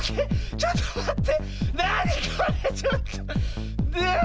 ちょっとまって。